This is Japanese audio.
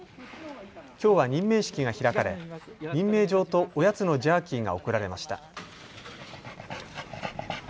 きょうは任命式が開かれ任命状とおやつのジャーキーが贈られました。